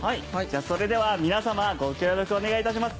それでは皆様ご協力をお願いいたします。